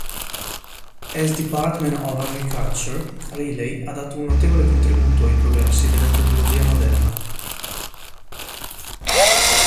S. Department of Agriculture, Riley ha dato un notevole contributo ai progressi dell'Entomologia moderna.